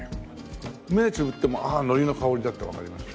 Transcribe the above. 目つぶっても「ああ海苔の香りだ」ってわかります。